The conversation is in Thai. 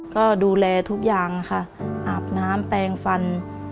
ก็ดูแลทุกอย่างค่ะอาบน้ำแปลงฟัน